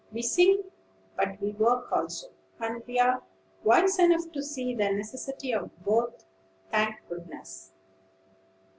We sing, but we work also; and are wise enough to see the necessity of both, thank goodness!"